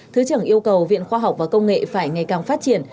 thứ trưởng yêu cầu viện khoa học và công nghệ phải ngày càng phát triển